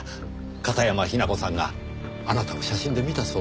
片山雛子さんがあなたを写真で見たそうです。